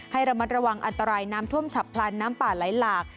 ให้ระมัดระวังอันตรายน้ำท่วมฉับพลันน้ำป่าไหลหลาก